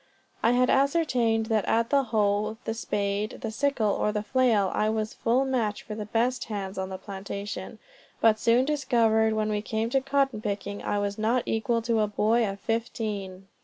I had ascertained that at the hoe, the spade, the sickle, or the flail, I was a full match for the best hands on the plantation; but soon discovered when we came to cotton picking I was not equal to a boy of fifteen.